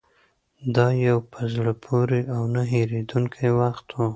دا یو په زړه پورې او نه هېرېدونکی وخت و.